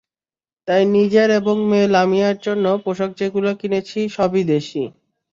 তাই নিজের এবং মেয়ে লামিয়ার জন্য পোশাক যেগুলো কিনেছি, সবই দেশি।